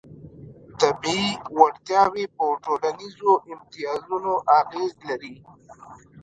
طبیعي وړتیاوې په ټولنیزو امتیازونو اغېز لري.